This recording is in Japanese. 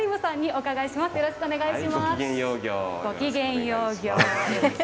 お願いします。